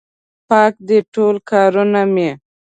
پاک دي ټول کارونه مې